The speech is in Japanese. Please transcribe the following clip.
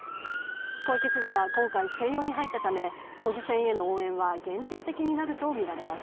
小池知事が今回、静養に入ったため都議選への応援は限定的になるとみられます。